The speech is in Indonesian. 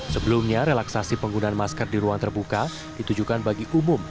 sebelumnya relaksasi penggunaan masker di ruang terbuka ditujukan bagi umum